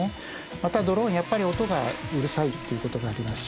またドローンやっぱり音がうるさいということがありますし。